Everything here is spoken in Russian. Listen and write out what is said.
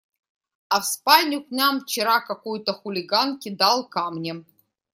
А в спальню к нам вчера какой-то хулиган кидал камнем.